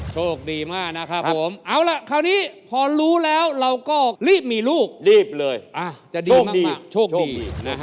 โชคดีมากนะครับผมเอาล่ะคราวนี้พอรู้แล้วเราก็รีบมีลูกรีบเลยจะดีโชคดีนะฮะ